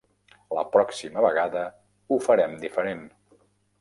La pròxima vegada ho farem diferent.